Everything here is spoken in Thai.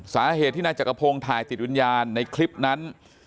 สาเหตุที่นายจักรพงศ์ถ่ายติดวิญญาณในคลิปนั้น